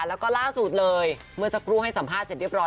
แล้วก็ล่าสุดเลยเมื่อสักครู่ให้สัมภาษณ์เสร็จเรียบร้อ